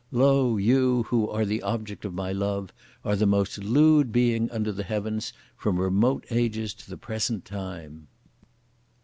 Lo you, who are the object of my love, are the most lewd being under the heavens from remote ages to the present time!"